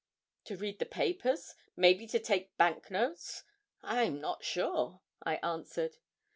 'To read the papers; maybe to take bank notes I'm not sure,' I answered.